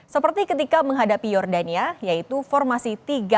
seperti ketika menghadapi jordania yaitu formasi tiga